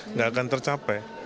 nggak akan tercapai